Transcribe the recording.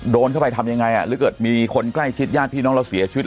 โดนเข้าไปทำยังไงอ่ะหรือเกิดมีคนใกล้ชิดญาติพี่น้องเราเสียชีวิต